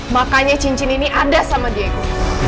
makanya cincin ini ada sama diego